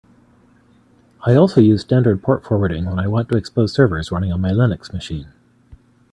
I also use standard port forwarding when I want to expose servers running on my Linux machine.